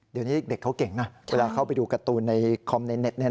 เดี๋ยวนี้เด็กเขาเก่งนะเวลาเข้าไปดูการ์ตูนในคอมในเน็ต